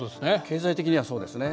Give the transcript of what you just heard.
経済的にはそうですね。